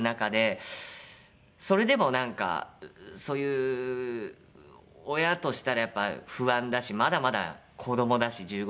それでもなんかそういう親としたらやっぱ不安だしまだまだ子どもだし１５歳なんて。